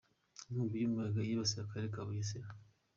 Inkubi y’umuyaga yibasiye Akarere ka Bugesera